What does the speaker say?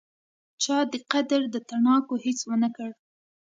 چا دې قدر د تڼاکو هیڅ ونکړ